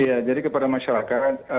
ya jadi kepada masyarakat